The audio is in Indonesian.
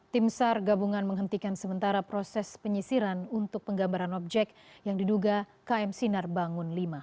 tim sar gabungan menghentikan sementara proses penyisiran untuk penggambaran objek yang diduga km sinar bangun v